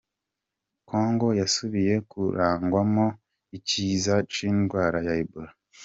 Congo yasubiye kurangwamwo ikiza c'indwara ya Ebola.